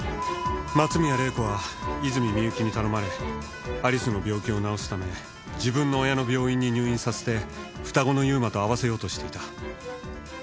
松宮玲子は泉美由紀に頼まれアリスの病気を治すため自分の親の病院に入院させて双子の優馬と会わせようとしていた。